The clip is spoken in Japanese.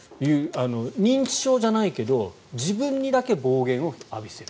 認知症じゃないけど自分にだけ暴言を浴びせる。